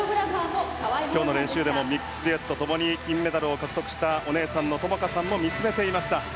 今日の練習でもミックスデュエットで共に金メダルを獲得したお姉さんの友花さんも見つめていました。